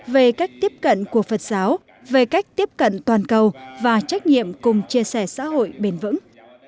về cách tiếp cận của phật giáo về cách tiếp cận toàn cầu và trách nhiệm cùng chia sẻ xã hội bền vững